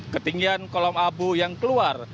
ketinggian kolom abu yang keluar